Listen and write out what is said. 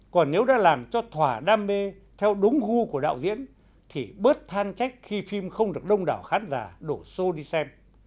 còn nếu đã làm cho thỏa đam mê theo đúng gu của đạo diễn thì bớt than trách khi phim không được đông đảo khán giả đổ xô đi xem